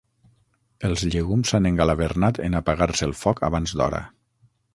Els llegums s'han engalavernat en apagar-se el foc abans d'hora.